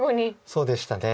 そうでしたね。